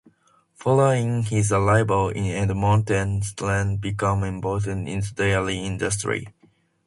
Following his arrival in Edmonton, Stanley became involved in the Dairy industry.